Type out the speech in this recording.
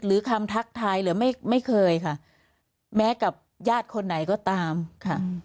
หรือคำทักทายหรือไม่ไม่เคยค่ะแม้กับญาติคนไหนก็ตามค่ะ